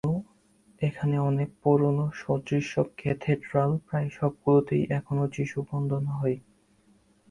এখানে অনেক পুরোনো সুদৃশ্য ক্যাথেড্রাল, প্রায় সবগুলোতে এখনো যিশু বন্দনা হয়।